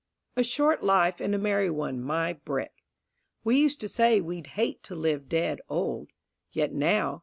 A short life and a merry one, my brick! We used to say we'd hate to live dead old, Yet now